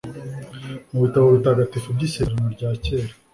mu bitabo bitagatifu by’isezerano ryakera